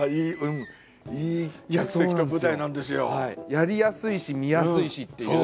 やりやすいし見やすいしっていう。